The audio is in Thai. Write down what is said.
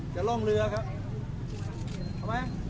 จะล่องเรือครับ